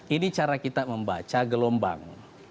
ini cara kita membaca gelombang